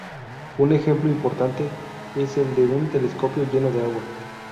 Un ejemplo importante es el de un telescopio lleno de agua.